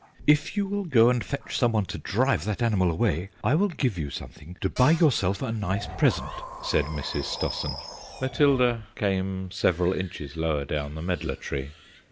"If you will go and fetch some one to drive that animal away I will give you something to buy yourself a nice present," said Mrs. Stossen. Matilda came several inches lower down the medlar tree.